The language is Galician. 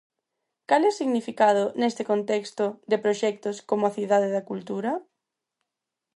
Cal é o significado, neste contexto, de proxectos como a Cidade da Cultura?